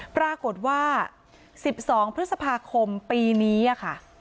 ปรากฏว่า๑๒พฤษภาคมปีนี้ค่ะ